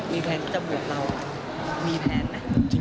มีแพงไหม